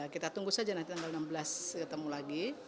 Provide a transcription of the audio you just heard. kita tunggu saja nanti tanggal enam belas ketemu lagi